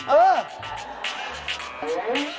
เออ